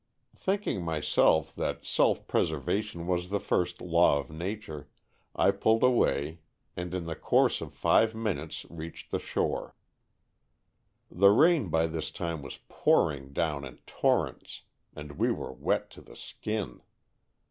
Thinking my self that self preservation was the first law of nature, I pulled away and in the 54 Stories from the Adirondack^ course of five minutes reached the shore. The rain by this time was pouring down in torrents and we were wet to the skin.